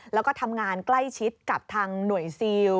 แล้วก็ทำงานใกล้ชิดกับทางหน่วยซิล